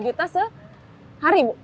sepuluh juta sehari bu